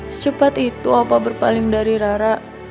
secepat itu apa berpaling dari rara